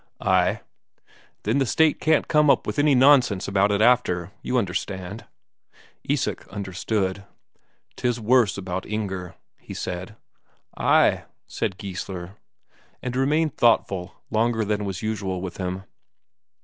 "Ay." "Then the State can't come any nonsense about it after, you understand." Isak understood. "'Tis worst about Inger," he said. "Ay," said Geissler, and remained thoughtful longer than was usual with him.